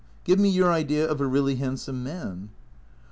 Give me your idea of a really handsome man."